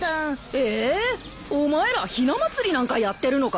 えーっ？お前らひな祭りなんかやってるのか？